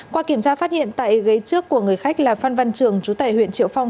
qua kiểm tra phát hiện tại ghế trước của người khách là phan văn trường chú tài huyện triệu phong